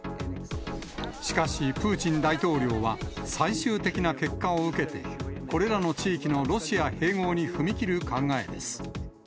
しかしプーチン大統領は、最終的な結果を受けて、これらの地域のロシア併合に踏み切る考えです。